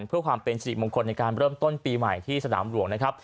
เพื่อความเป็นสิริมงคลในการเริ่มต้นปีใหม่ที่สนามหลวงนะครับ